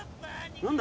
何だ？